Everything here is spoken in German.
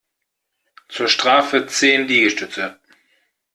Zur Strafe zehn Liegestütze!